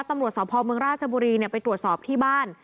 ตำรวจสพเมืองราชบุรีไปตรวจสอบที่บ้าน